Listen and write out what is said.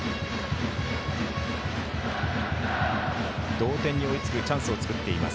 同点に追いつくチャンスを作っています。